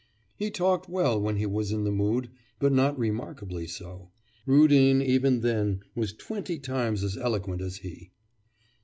'He talked well when he was in the mood, but not remarkably so. Rudin even then was twenty times as eloquent as he.